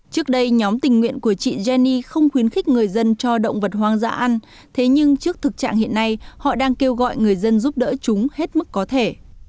trước đây nhóm tình nguyện của chị jenny không khuyến khích người dân cho động vật hoang dã ăn thế nhưng trước thực trạng hiện nay họ đang kêu gọi người dân giúp đỡ chúng hết mức có thể